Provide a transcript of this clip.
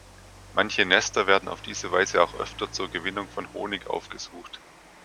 Manche Nester werden auf diese Weise auch öfter zur Gewinnung von Honig aufgesucht.